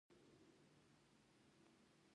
ځکه هېڅوک د ځان پر وړاندې تبعیض نه مني.